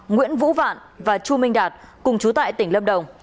nguyễn vũ vạn và chu minh đạt cùng chú tại tỉnh lâm đồng